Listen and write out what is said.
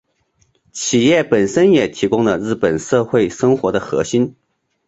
企业本身也提供了日本社会生活的核心。